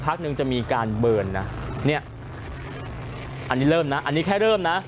พักนึงจะมีการเบิร์นนะเนี่ยอันนี้เริ่มนะอันนี้แค่เริ่มนะ